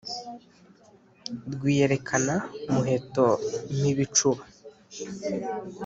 Rwiyerekana-muheto Mpibicuba